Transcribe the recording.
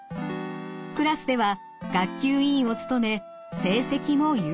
クラスでは学級委員を務め成績も優秀。